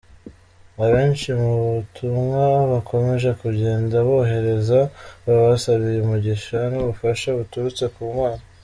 Abenshi mu butumwa bakomeje kugenda bohereza babasabiye umugisha n’ubufasha buturutse ku Mana.